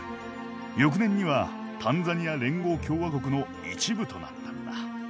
翌年にはタンザニア連合共和国の一部となったんだ。